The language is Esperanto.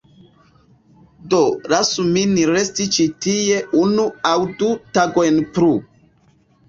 Do lasu min resti ĉi tie unu aŭ du tagojn plu.